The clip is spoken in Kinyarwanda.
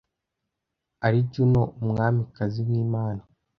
ari juno umwamikazi w imana